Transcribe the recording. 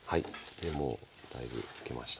でもうだいぶ焼けました。